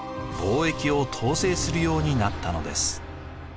貿易を統制するようになったのです。